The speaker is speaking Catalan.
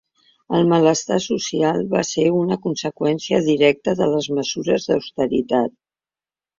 El malestar social va ser una conseqüència directa de les mesures d'austeritat.